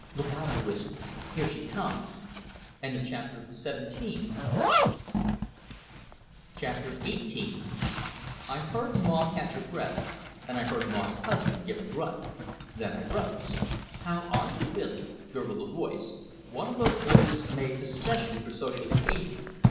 "Look out!" I whispered. "Here she comes!" XVIII I heard Maw catch her breath, and I heard Maw's husband give a grunt. Then I rose. "How are you, Billy?" gurgled a voice one of those voices made especially for social occasions.